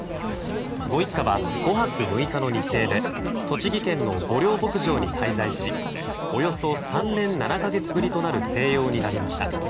ご一家は、５泊６日の日程で栃木県の御料牧場に滞在しおよそ３年７か月ぶりとなる静養になりました。